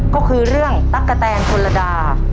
ก็คือเรื่องตั๊กกะแตนชนระดา